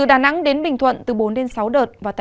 đà nẵng bình thuận bốn đến sáu đợt